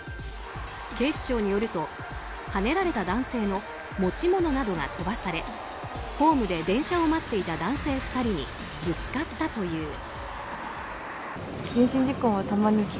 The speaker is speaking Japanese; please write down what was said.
警視庁によるとはねられた男性の持ち物などが飛ばされホームで電車を待っていた男性２人にぶつかったという。